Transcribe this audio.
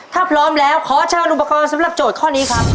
ถ้าพร้อมแล้วขอเชิญอุปกรณ์สำหรับโจทย์ข้อนี้ครับ